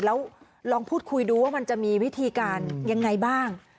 แล้วลองพูดคุยดูว่ามันจะมีวิธีการยังไงบ้าง